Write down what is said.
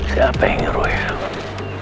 siapa yang ngeruai aku